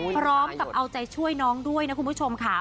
พร้อมกับเอาใจช่วยน้องด้วยนะคุณผู้ชมค่ะ